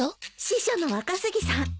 司書の若杉さん。